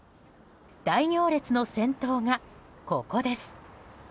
大行列の先頭が、ここです。